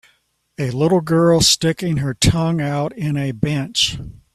a little girl sticking her tongue out in a bench